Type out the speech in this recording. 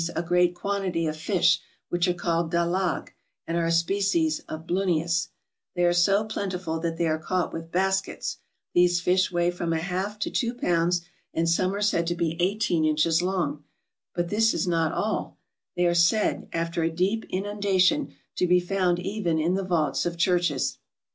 a great quantity of fish, which are called dalag, and are a species of Blunnius ; they are so plentiful that they are caught with baskets ; these fish weigh from a half to two pounds, and some are said to be eighteen inches long; but this is not all ; they M ISC ELLA N EO US 405 are said, after a deep inundation, to be found even in the vaults of churches.